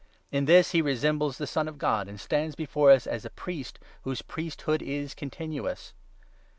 In this he resembles the Son of God, and stands before us as a priest whose priesthood is continuous.